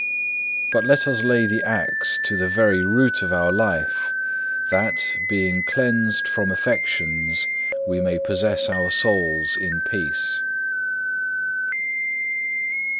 But let us lay the axe to the very root of our life, that, being cleansed from affections, we may possess our souls in peace.